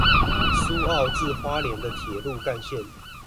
蘇澳至花蓮的鐵路幹線